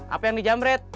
apa yang dijamret